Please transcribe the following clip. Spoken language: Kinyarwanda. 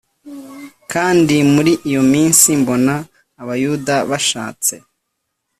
Kandi muri iyo minsi mbona abayuda bashatse